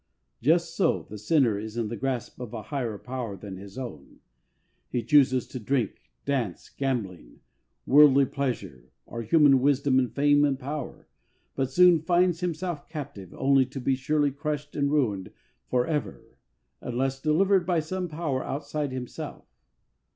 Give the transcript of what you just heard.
Just so the sinner is in the grasp of a higher power than his own. He chooses drink, dancing, gambling, worldly pleasure, or human wisdom and fame and power, but soon finds himself captive, only to be surely crushed and ruined for ever, unless delivered by some power outside himself.